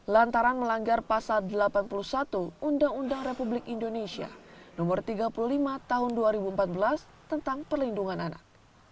lantaran melanggar pasal delapan puluh satu undang undang republik indonesia no tiga puluh lima tahun dua ribu empat belas tentang perlindungan anak